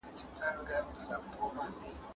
ټول سپکاوی او د ملامتۍ بار پر محمد اشرف غني